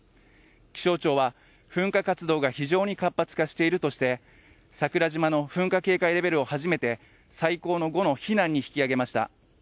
気象庁は、噴火活動が非常に活発化しているとして桜島の噴火警戒レベルを初めて最高の５の避難に引き上げました。